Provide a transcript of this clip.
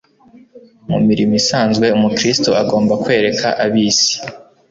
Mu mirimo isanzwe umukristo agomba kwereka ab'isi